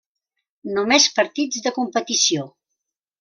Només partits de competició.